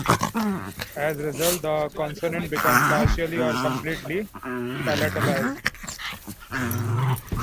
As result, the consonant becomes partially or completely palatalized.